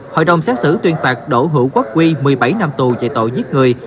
hội đồng xét xử tuyên phạt đỗ hữu quốc huy một mươi bảy năm tù dạy tội giết người